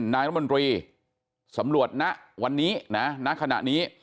นายรัฐมนตรีสำรวจณวันนี้นะณขณะนี้